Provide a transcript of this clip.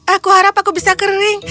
aku harap aku bisa kering